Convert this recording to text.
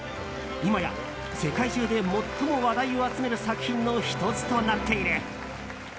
今や世界中で最も話題を集める作品の１つとなっている。